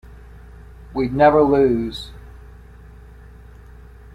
We'd never lose.